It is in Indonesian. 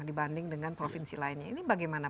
dibanding dengan provinsi lainnya ini bagaimana